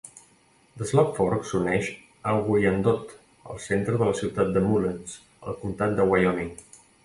The Slab Fork s"uneix a Guyandotte al centre de la ciutat de Mullens, al comtat de Wyoming.